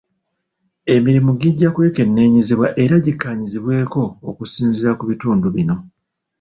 Emirimu gijja kwekenneenyezebwa era gikkaanyizibweko okusinziira ku bintu bino.